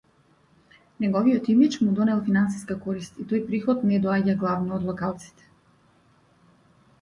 Неговиот имиџ му донел финансиска корист и тој приход не доаѓа главно од локалците.